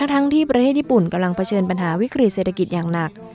ทั้งที่ประเทศญี่ปุ่นกำลังเผชิญปัญหาวิกฤตเศรษฐกิจอย่างหนัก